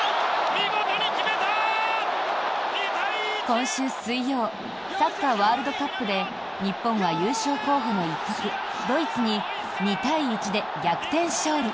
今週水曜サッカーワールドカップで日本は優勝候補の一角、ドイツに２対１で逆転勝利。